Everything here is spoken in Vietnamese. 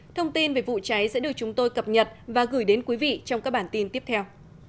thông tin về vụ cháy sẽ được chúng tôi cập nhật và gửi đến quý vị trong các bản tin tiếp theo